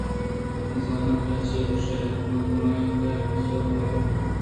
زاناں ترا چے گْوشت ئِے؟، من ءَ درائینت ئِے، پَس ھِلار کُت ئِے یا پَس ئِے ھلار کُت۔